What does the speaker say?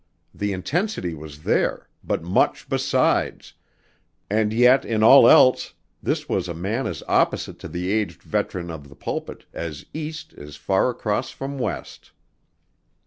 The intensity was there, but much besides and yet in all else this was a man as opposite to the aged veteran of the pulpit as east is far across from west.